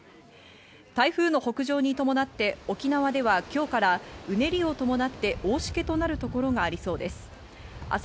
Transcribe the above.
台風の北上に伴って沖縄では今日からうねりを伴って大しけとなるところがありそうです。